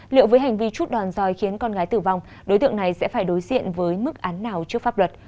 liệu với hành vi chút đoàn dòi khiến con gái tử vong đối tượng này sẽ phải đối diện với mức án nào trước pháp luật